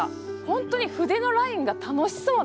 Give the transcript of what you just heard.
本当に筆のラインが楽しそう。